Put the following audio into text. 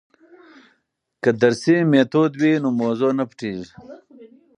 که درسي میتود وي نو موضوع نه پټیږي.